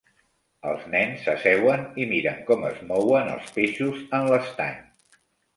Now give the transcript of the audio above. Els nens s'asseuen i miren com es mouen els peixos en l'estany